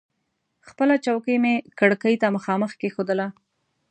خپله چوکۍ مې کړکۍ ته مخامخ کېښودله.